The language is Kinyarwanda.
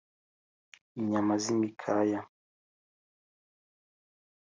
Inyama z’imikaya